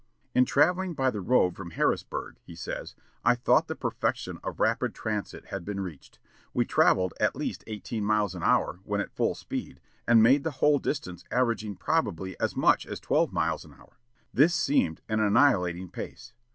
"In travelling by the road from Harrisburg," he says, "I thought the perfection of rapid transit had been reached. We travelled at least eighteen miles an hour, when at full speed, and made the whole distance averaging probably as much as twelve miles an hour. This seemed like annihilating space.